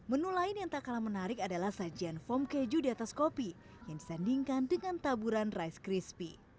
menu lain yang tak kalah menarik adalah sajian foam keju di atas kopi yang disandingkan dengan taburan rice crispy